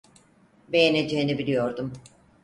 Beğeneceğini biliyordum.